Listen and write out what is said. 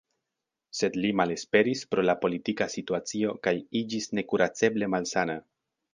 Sed li malesperis pro la politika situacio kaj iĝis nekuraceble malsana.